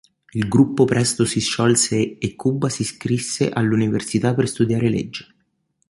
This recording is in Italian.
Il gruppo presto si sciolse e Cuba si iscrisse all'università per studiare legge.